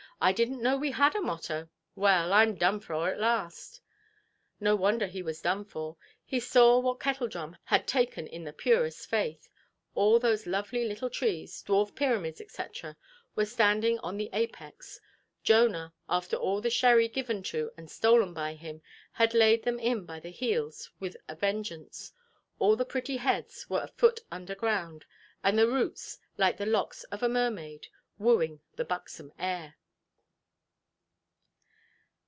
"I didnʼt know we had a motto. Well, Iʼm done for at last"! No wonder he was done for. He saw what Kettledrum had taken in the purest faith. All those lovely little trees, dwarf pyramids, &c., were standing on the apex. Jonah, after all the sherry given to and stolen by him, had laid them in by the heels with a vengeance. All the pretty heads were a foot under ground, and the roots, like the locks of a mermaid, wooing the buxom air.